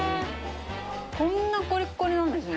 こんなコリッコリなんですね。